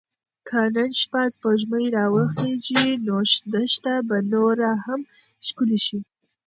که نن شپه سپوږمۍ راوخیژي نو دښته به نوره هم ښکلې شي.